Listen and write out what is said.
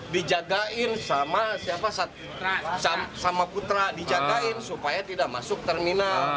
dijagain sama putra dijagain supaya tidak masuk terminal